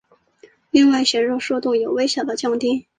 另外写入速度有微小的降低。